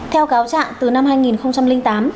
theo cáo trạng từ năm hai nghìn tám